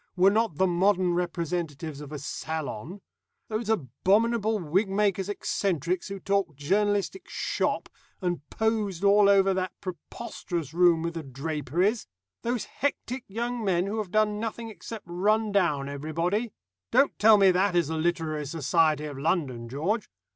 were not the modern representatives of a salon. Those abominable wig makers' eccentricities who talked journalistic 'shop,' and posed all over that preposterous room with the draperies! Those hectic young men who have done nothing except run down everybody! Don't tell me that is the literary society of London, George.